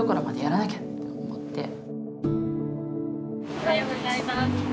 おはようございます。